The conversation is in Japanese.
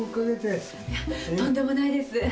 とんでもないです。